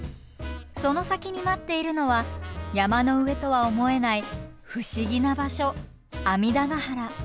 その先に待っているのは山の上とは思えない不思議な場所阿弥陀原。